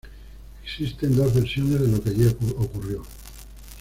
Existen dos versiones de lo que allí ocurrió.